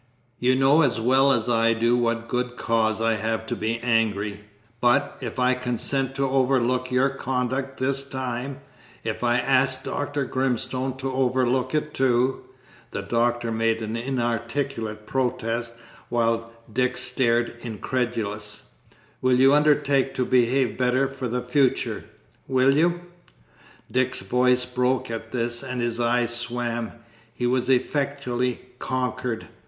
"You know as well as I do what good cause I have to be angry; but, if I consent to overlook your conduct this time, if I ask Dr. Grimstone to overlook it too" (the Doctor made an inarticulate protest, while Dick stared, incredulous), "will you undertake to behave better for the future will you?" Dick's voice broke at this, and his eyes swam he was effectually conquered.